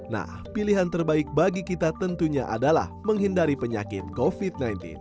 nah pilihan terbaik bagi kita tentunya adalah menghindari penyakit covid sembilan belas